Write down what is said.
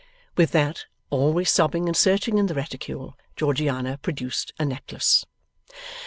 With that, always sobbing and searching in the reticule, Georgiana produced a necklace.